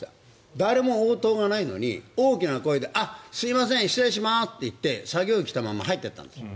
誰も応答がないのに大きな声であ、すいません失礼します！って言って作業着を着たまま入っていったんです。